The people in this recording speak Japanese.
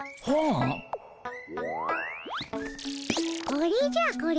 これじゃこれ。